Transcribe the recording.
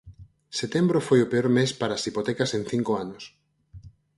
Setembro foi o peor mes para as hipotecas en cinco anos.